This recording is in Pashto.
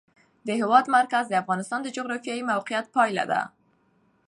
د هېواد مرکز د افغانستان د جغرافیایي موقیعت پایله ده.